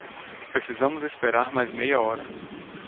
Precisamos esperar mais meia hora.